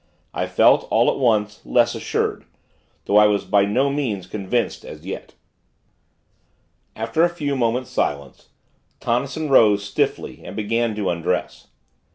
I felt, all at once, less assured; though I was by no means convinced as yet. After a few moments' silence, Tonnison rose, stiffly, and began to undress.